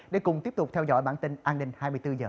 để cùng tiếp tục theo dõi bản tin an ninh hai mươi bốn h